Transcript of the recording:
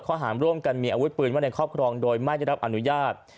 หารร่วมกันมีอาวุธปืนไว้ในครอบครองโดยไม่ได้รับอนุญาต